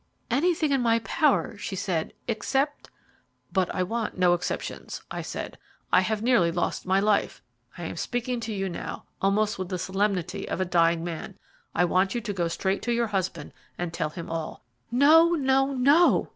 "Anything in my power," she said, "except " "But I want no exceptions," I said. "I have nearly lost my life. I am speaking to you now almost with the solemnity of a dying man. I want you to go straight to your husband and tell him all." "No, no, no!"